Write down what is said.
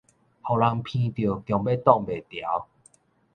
予人鼻著強欲擋袂牢